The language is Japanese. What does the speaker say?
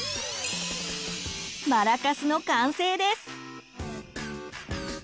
マラカスの完成です。